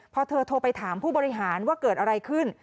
พอเธอโทรไปถามผู้บริหารว่าเกิดอะไรขึ้น